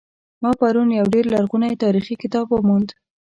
ما پرون یو ډیر لرغنۍتاریخي کتاب وموند